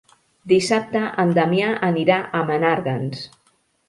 Dissabte en Damià anirà a Menàrguens.